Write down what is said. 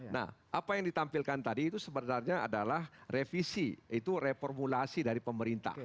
nah apa yang ditampilkan tadi itu sebenarnya adalah revisi itu reformulasi dari pemerintah